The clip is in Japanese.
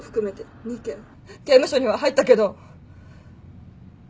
刑務所には入ったけど。